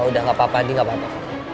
oh udah gak apa apa andi gak apa apa